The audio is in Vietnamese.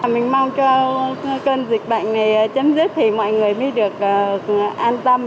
mình mong cho cơn dịch bệnh này chấm dứt thì mọi người mới được an tâm